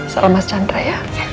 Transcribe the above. salam mas chandra ya